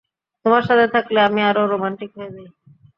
তোমার সাথে থাকলে আমি আরো রোমান্টিক হয়ে যাই!